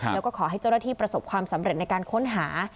แล้วก็ขอให้เจ้าหน้าที่ประสบความสำเร็จในการค้นหา